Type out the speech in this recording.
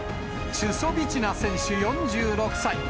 チュソビチナ選手４６歳。